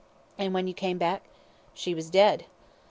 "And when you came back?" "She was dead."